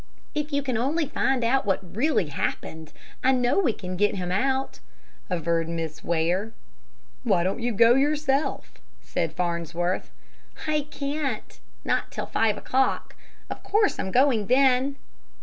"If you can only find out what really happened, I know we can get him out," averred Miss Ware. "Why don't you go yourself?" said Farnsworth. "I can't, not till five o'clock. Of course I'm going then!"